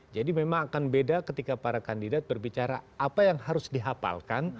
jadi memang akan beda ketika para kandidat berbicara apa yang harus dihapalkan